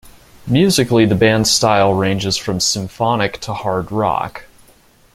Musically the band's style ranges from symphonic to hard rock.